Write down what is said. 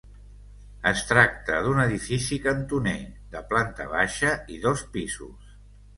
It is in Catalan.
Es tracta d'un edifici cantoner, de planta baixa i dos pisos.